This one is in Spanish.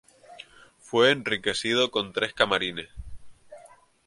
Fue enriquecido Con tres camarines.